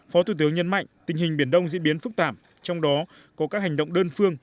phó thủ tướng nhấn mạnh tình hình biển đông diễn biến phức tạp trong đó có các hành động đơn phương